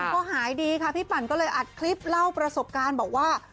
พอหายดีค่ะพี่ปั่นก็เลยอัดคลิปเล่าประสบการณ์บอกว่า